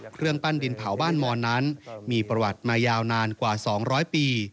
เครื่องปั้นดินเผาบ้านมอนนั้นมีประวัติมายาวนานกว่า๒๐๐ปี